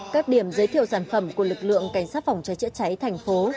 các điểm giới thiệu sản phẩm của lực lượng cảnh sát phòng cháy chữa cháy thành phố